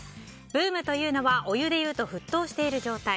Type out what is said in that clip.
ブームというのはお湯でいうと沸騰している状態。